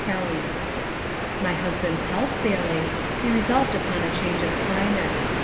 Kelly. My husband's health failing, he resolved upon a change of climate.